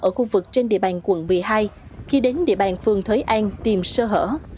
ở khu vực trên địa bàn quận một mươi hai khi đến địa bàn phường thới an tìm sơ hở